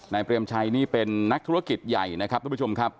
เปรมชัยนี่เป็นนักธุรกิจใหญ่นะครับทุกผู้ชมครับ